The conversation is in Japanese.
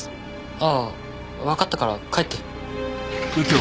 ああわかったから帰って。